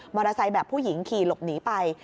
มอเตอร์ไซต์แบบผู้หญิงขี่หลบหนีไป